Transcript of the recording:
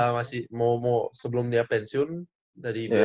masih mau mau sebelum dia pensiun dari ibu